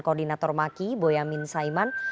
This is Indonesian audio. koordinator maki boyamin saiman